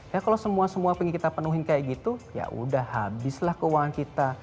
ya kalau semua semua pengen kita penuhin kayak gitu yaudah habislah keuangan kita